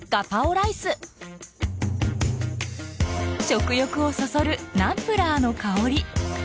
食欲をそそるナンプラーの香り。